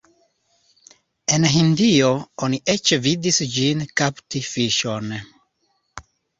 En Hindio oni eĉ vidis ĝin kapti fiŝon.